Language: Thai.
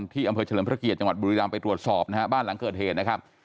ที่อำเภอเฉลิมพระเกียรติจังหวัดบุรีรำไปตรวจสอบนะฮะบ้านหลังเกิดเหตุนะครับ